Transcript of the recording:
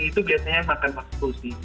itu biasanya yang makan makanan